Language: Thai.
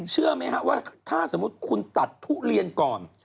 เชื่อไหมครับว่าถ้าสมมุติคุณตัดทุเรียนก่อน